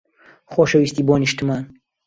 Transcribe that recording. خۆشەویستی بۆ نیشتمان.